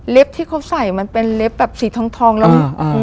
เล็บที่เขาใส่มันเป็นเล็บแบบสีทองทองแล้วอืมอืม